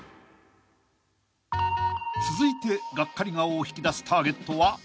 ［続いてがっかり顔を引き出すターゲットは］